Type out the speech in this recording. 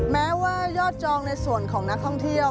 แม้ว่ายอดจองในส่วนของนักท่องเที่ยว